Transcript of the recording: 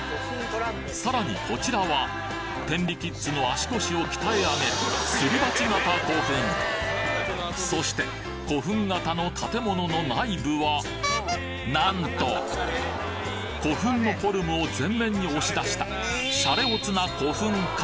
さらにこちらは天理キッズの足腰を鍛え上げるそして古墳型の建物の内部はなんと古墳のフォルムを前面に押し出したシャレオツな